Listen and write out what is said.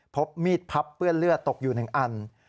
พบมีดพับเปื้อนเลือดตกอยู่๑อัน